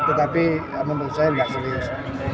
tetapi menurut saya tidak serius